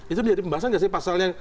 itu jadi pembahasan gak sih pasalnya